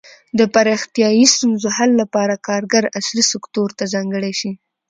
د پراختیايي ستونزو حل لپاره کارګر عصري سکتور ته ځانګړي شي.